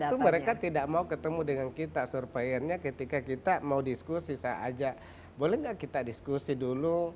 dan itu mereka tidak mau ketemu dengan kita surveinya ketika kita mau diskusi saya ajak boleh nggak kita diskusi dulu